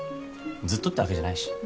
ずっとってわけじゃないし。